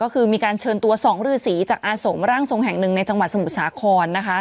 ก็คือมีการเชิญตัว๒ฤษีจากอาสมร่างทรงแห่งหนึ่งในจังหวัดสมุทรสาครนะคะ